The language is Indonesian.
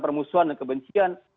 permusuhan dan kebencian